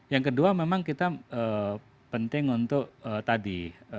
yang kedua memang kita penting untuk tadi